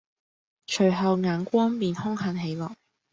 隨後眼光便凶狠起來，